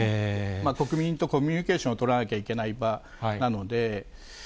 国民とコミュニケーションを取らなきゃいけない場なので。